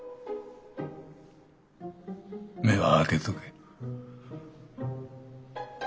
目は開けとけ。